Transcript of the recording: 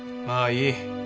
まあいい。